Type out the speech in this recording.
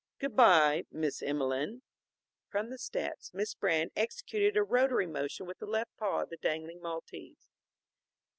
"Good by, Miss Emelene." From the steps Miss Brand executed a rotary motion with the left paw of the dangling Maltese.